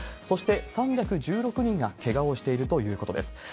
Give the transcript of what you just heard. そして、３１６人がけがをしているということです。